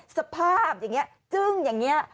สภาพอย่างนี้จึ้งอย่างนี้